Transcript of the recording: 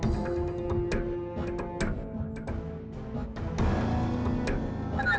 buat apa ah